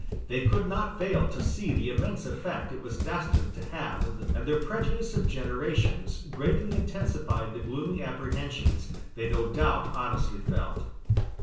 They could not fail to see the immense effect it was destined to have in the severe military struggle, and their prejudice of generations greatly intensified the gloomy apprehensions they no doubt honestly felt.